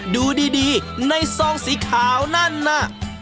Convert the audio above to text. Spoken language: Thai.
ดูดีในซองสีขาวนั่นน่ะ